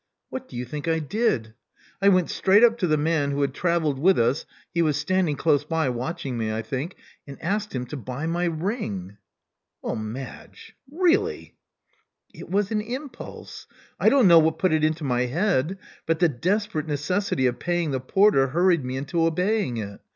What do you think I did? I went straight up to the man who had travelled with us — ^he was standing close by, watching me, I think — and asked him to buy my ring." Well, Madge: really— r It was an impulse. I don't know what put it into my head; but the desperate necessity of paying the porter hurried me into obeying it.